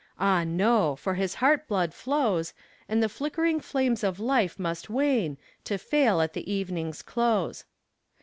Ah, no! for his heart blood flows, And the flickering flames of life must wane, to fail at the evening's close.